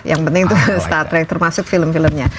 yang penting itu star trek termasuk film filmnya